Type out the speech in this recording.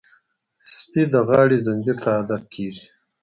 سپي د غاړې زنځیر ته عادت کېږي.